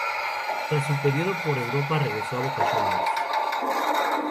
Tras su periodo por Europa regresó a Boca Juniors.